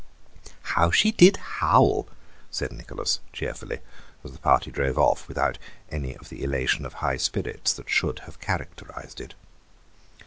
"How she did howl," said Nicholas cheerfully, as the party drove off without any of the elation of high spirits that should have characterised it.